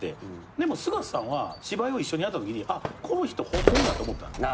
でも菅田さんは芝居を一緒にやったときにこの人本物やと思った。